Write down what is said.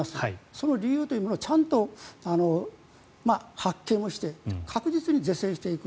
その理由というのをちゃんと発見をして確実に是正していく。